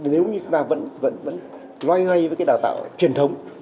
nếu như chúng ta vẫn loay hoay với cái đào tạo truyền thống